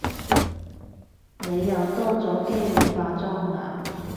你又多咗機會化妝喇